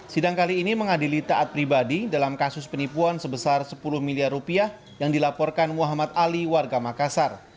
sidang kali ini mengadili taat pribadi dalam kasus penipuan sebesar sepuluh miliar rupiah yang dilaporkan muhammad ali warga makassar